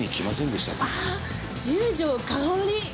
ああ十条かおり